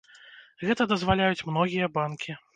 Гэта дазваляюць многія банкі.